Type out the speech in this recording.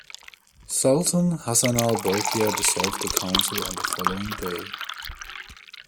Sultan Hassanal Bolkiah dissolved the Council on the following day.